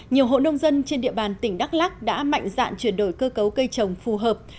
nhiều hộ nông dân trên địa bàn tỉnh đắk lắc đã mạnh dạn chuyển đổi cơ cấu cây trồng phù hợp